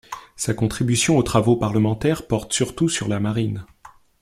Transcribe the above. Sa contribution aux travaux parlementaires porte surtout sur la Marine.